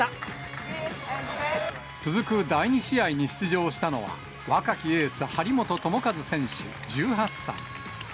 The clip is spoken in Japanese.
続く第２試合に出場したのは、若きエース、張本智和選手１８歳。